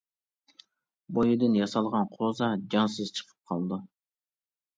-بۇيىدىن ياسالغان قوزا، جانسىز چىقىپ قالىدۇ.